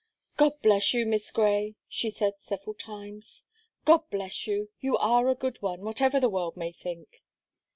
"God bless you. Miss Gray," she said several times; "God bless you you are a good one, whatever the world may think."